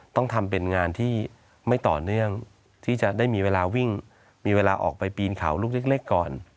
ต้องทำเป็นงานที่ไม่ต่อเนื่องที่จะได้มีเวลาวิ่งมีเวลาออกไปปีนเขาลูกเล็กก่อน